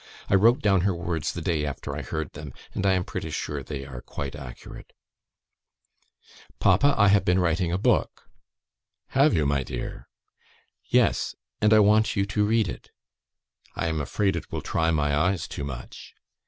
(I wrote down her words the day after I heard them; and I am pretty sure they are quite accurate.) "Papa, I've been writing a book." "Have you, my dear?" "Yes, and I want you to read it." "I am afraid it will try my eyes too much."